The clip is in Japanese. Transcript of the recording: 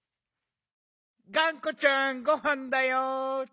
がんこちゃんごはんだよ。